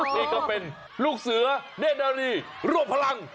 นี่ก็เป็นลูกเสือเน่นนารีร่วมพลัง